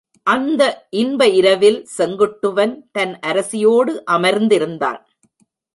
அந்த இன்ப இரவில் செங்குட்டுவன் தன் அரசியோடு அமர்ந்திருந்தான்.